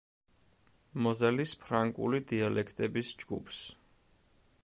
მოზელის ფრანკული დიალექტების ჯგუფს.